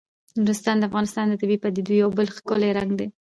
نورستان د افغانستان د طبیعي پدیدو یو بل ښکلی رنګ دی.